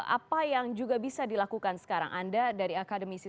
apa yang juga bisa dilakukan sekarang anda dari akademisi